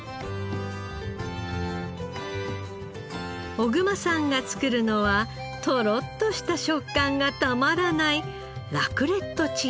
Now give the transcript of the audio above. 小熊さんが作るのはトロッとした食感がたまらないラクレットチーズ。